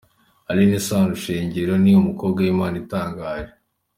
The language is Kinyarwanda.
Aline Sano Shengero ni umukobwa w’impano itangaje.